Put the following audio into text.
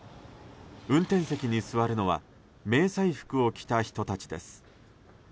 運転席に座るのは迷彩服を着た人たちです。